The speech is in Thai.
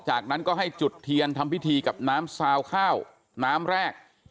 จากนั้นก็ให้จุดเทียนทำพิธีกับน้ำซาวข้าวน้ำแรก